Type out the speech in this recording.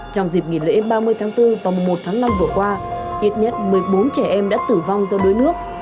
trong dịp nghỉ lễ ba mươi tháng bốn và một tháng năm vừa qua ít nhất một mươi bốn trẻ em đã tử vong do đuối nước